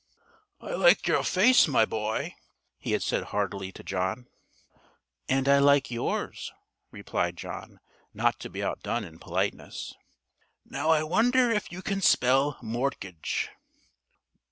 "I like your face, my boy," he had said heartily to John. "And I like yours," replied John, not to be outdone in politeness. "Now I wonder if you can spell 'mortgage'?"